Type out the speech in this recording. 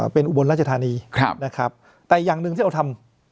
เป็นอุบลราชธานีนะครับแต่อย่างหนึ่งที่เราทำ